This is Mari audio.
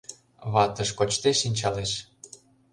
Ватыж кочде шинчалеш...